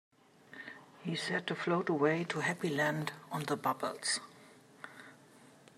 He said to float away to Happy Land on the bubbles.